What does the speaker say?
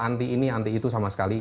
anti ini anti itu sama sekali